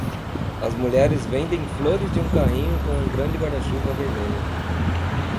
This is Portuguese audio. As mulheres vendem flores de um carrinho com um grande guarda-chuva vermelho.